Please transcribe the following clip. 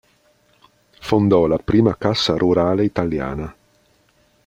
Fondò la prima Cassa Rurale Italiana.